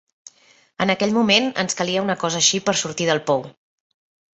En aquell moment ens calia una cosa així per sortir del pou.